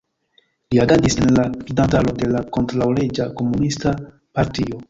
Li agadis en la gvidantaro de la kontraŭleĝa komunista partio.